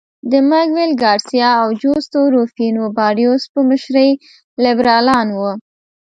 د مګویل ګارسیا او جوستو روفینو باریوس په مشرۍ لیبرالان وو.